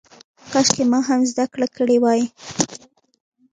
کاشکې ما هم زده کړه کړې وای.